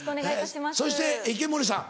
そして池森さん。